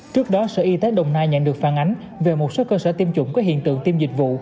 trước đó sở y tế đồng nai nhận được phản ánh về một số cơ sở tiêm chủng có hiện tượng tiêm dịch vụ